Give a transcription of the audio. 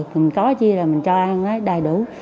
mình có chi là mình cho ăn đầy đủ